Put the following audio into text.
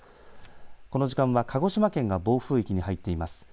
この時間は鹿児島県が暴風域に入っています。